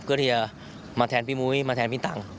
เพื่อที่จะมาแทนพี่มุ้ยมาแทนพี่ตังค์